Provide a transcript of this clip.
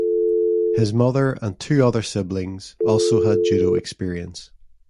His mother and two other siblings also had judo experience.